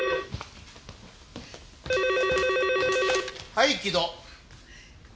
はい城戸。